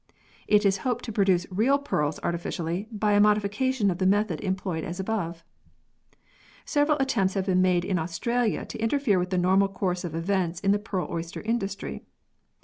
It is hoped to produce real pearls artificially by a modification of the method employed as above. Several attempts have been made in Australia to interfere with the normal course of events in the pearl oyster industry.